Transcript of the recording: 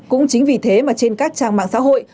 cũng chính vì thế mà trên các trang mạng xã hội